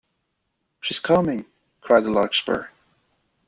‘She’s coming!’ cried the Larkspur.